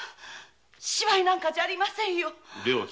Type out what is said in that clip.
芝居なんかじゃありませんよ。